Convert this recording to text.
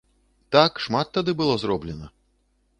Так, шмат тады было зроблена!